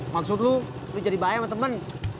maksud lu lo jadi bahaya sama temen